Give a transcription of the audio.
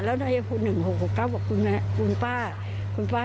แล้วนะฮุหนึ่งห่อหู้ก็เอาบอกคุณแม่คุณป้า